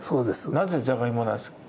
なぜじゃがいもなんですか？